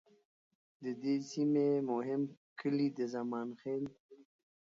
د دې سیمې مهم کلي د زمان خیل،